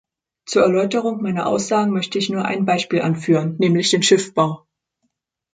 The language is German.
Zur Erläuterung meiner Aussagen möchte ich nur ein Beispiel anführen, nämlich den Schiffbau.